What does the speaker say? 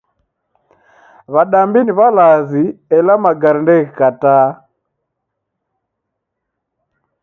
W'adambi ni w'alazi , ela magari ndeghikatagha